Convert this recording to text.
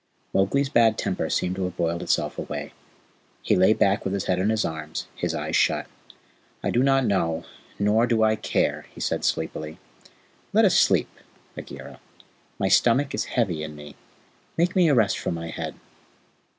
Mowgli's bad temper seemed to have boiled itself away. He lay back with his head on his arms, his eyes shut. "I do not know nor do I care," he said sleepily. "Let us sleep, Bagheera. My stomach is heavy in me. Make me a rest for my head."